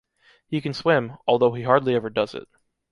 He can swim, although he hardly ever does it.